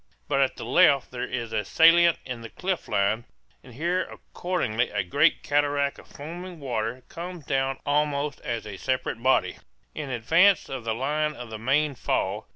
But at the left there is a salient in the cliff line, and here accordingly a great cataract of foaming water comes down almost as a separate body, in advance of the line of the main fall.